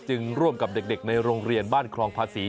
จึงร่วมกับเด็กในโรงเรียนบ้านคลองพระศรี